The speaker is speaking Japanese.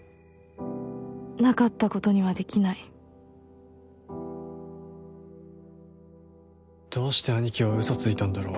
なかったことにはできないどうして兄貴はウソついたんだろう